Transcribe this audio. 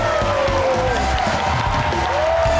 ขอบคุณครับ